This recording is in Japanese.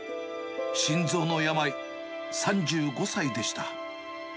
心臓の病、３５歳でした。